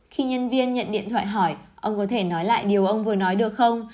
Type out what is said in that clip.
khi nhân viên nhận điện thoại hỏi ông có thể nói lại điều ông vừa nói được không